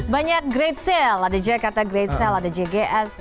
banyak grade sale ada jakarta great sale ada jgs